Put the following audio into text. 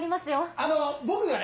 あの僕がね